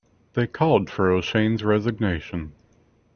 They called for O'Shane's resignation.